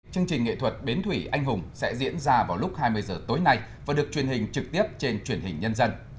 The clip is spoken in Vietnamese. chương trình nghệ thuật bến thủy anh hùng sẽ diễn ra vào lúc hai mươi h tối nay và được truyền hình trực tiếp trên truyền hình nhân dân